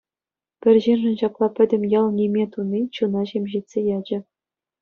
Пӗр ҫыншӑн ҫапла пӗтӗм ял ниме туни чуна ҫемҫетсе ячӗ.